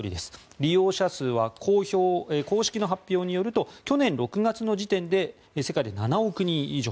利用者数は公式の発表によると去年６月の時点で世界で７億人以上。